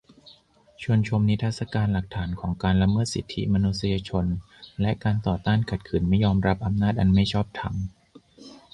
ชวนชมนิทรรศการหลักฐานของการละเมิดสิทธิมนุษยชน และการต่อต้านขัดขืนไม่ยอมรับอำนาจอันไม่ชอบธรรม